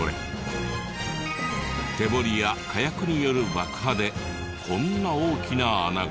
手掘りや火薬による爆破でこんな大きな穴が。